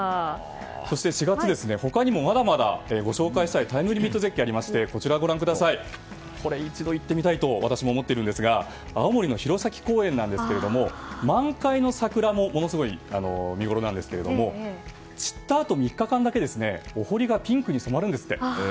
そして、４月は他にもまだまだご紹介したいタイムリミット絶景がありましてこれ、一度行ってみたいと私も思っているんですが青森の弘前公園ですが満開の桜も、ものすごい見ごろなんですけれども散ったあと３日間だけお濠がピンクに染まるんですって。